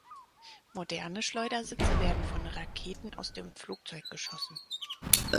Moderne Schleudersitze werden von Raketen aus dem Flugzeug geschossen.